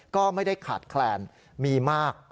ก็ไม่ได้ขาดแคลนมีมาก